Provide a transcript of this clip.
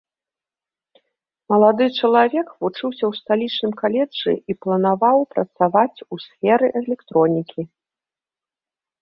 Малады чалавек вучыўся ў сталічным каледжы і планаваў працаваць у сферы электронікі.